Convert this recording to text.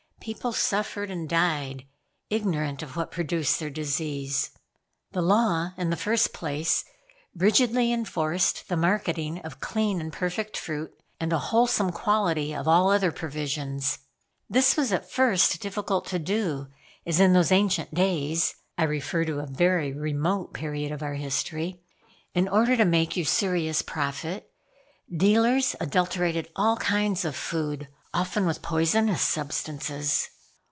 People suffered and died, ignorant of what produced their disease. The law, in the first place, rigidly enforced the marketing of clean and perfect fruit, and a wholesome quality of all other provisions. This was at first difficult to do, as in those ancient days, (I refer to a very remote period of our history) in order to make usurious profit, dealers adulterated all kinds of food; often with poisonous substances.